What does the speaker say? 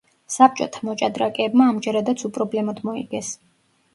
საბჭოთა მოჭადრაკეებმა ამჯერადაც უპრობლემოდ მოიგეს.